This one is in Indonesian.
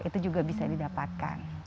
itu juga bisa didapatkan